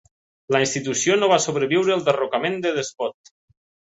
La institució no va sobreviure al derrocament de Despot.